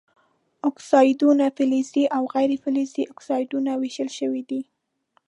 اکسایدونه فلزي او غیر فلزي اکسایدونو ویشل شوي دي.